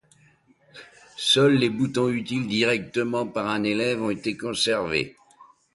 Seuls les boutons utiles directement par un élève ont été conservés.